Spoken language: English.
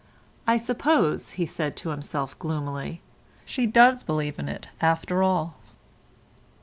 "I suppose," he said to himself gloomily, "she does believe in it after all."